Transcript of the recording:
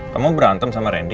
kamu berantem sama rendy